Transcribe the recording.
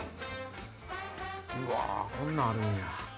うわこんなんあるんや。